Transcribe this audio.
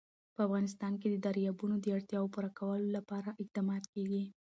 په افغانستان کې د دریابونه د اړتیاوو پوره کولو لپاره اقدامات کېږي.